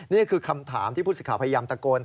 นี่คือคำถามที่ผู้สิทธิ์พยายามตะโกน